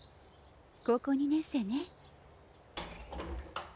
高校２年生ね。